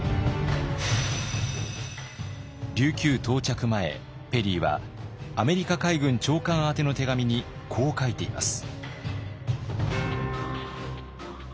琉球到着前ペリーはアメリカ海軍長官宛ての手紙にこう書いています。